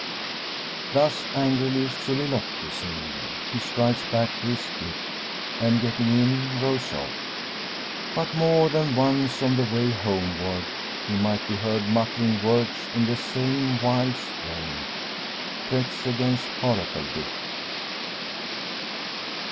Thus angrily soliloquising, he strides back to his skiff, and getting in rows off. But more than once, on the way homeward, he might be heard muttering words in the same wild strain threats against Coracle Dick.